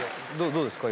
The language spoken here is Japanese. どうですか？